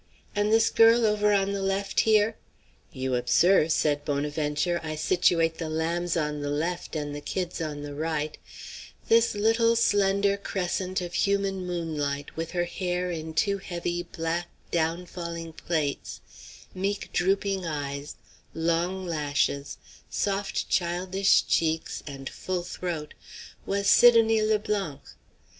And this girl over on the left here, "You observe," said Bonaventure, "I situate the lambs on the left and the kids on the right," this little, slender crescent of human moonlight, with her hair in two heavy, black, down falling plaits, meek, drooping eyes, long lashes, soft childish cheeks and full throat, was Sidonie Le Blanc.